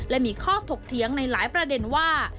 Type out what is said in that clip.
และมีข้อถกเถียงในหลายประเด็นว่า